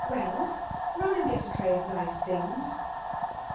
Wells, run and get a tray of nice things."